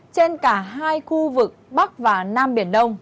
trên cả hai khu vực bắc và nam biển đông